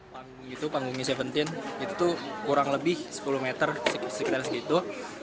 panggung gitu panggungnya tujuh belas itu kurang lebih sepuluh meter sekitar segitu